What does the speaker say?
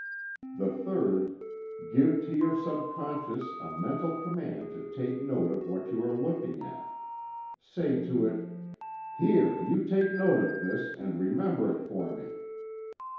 The third: Give to your subconsciousness a mental command to take note of what you are looking at say to it; "Here, you take note of this and remember it for me!"